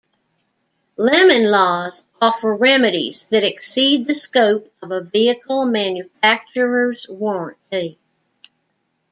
Lemon laws offer remedies that exceed the scope of a vehicle manufacturer's warranty.